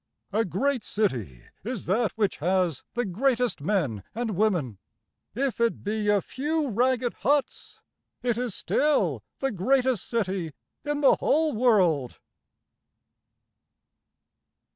A great city is that which has the greatest men and women, If it be a few ragged huts it is still the greatest city in the whole world.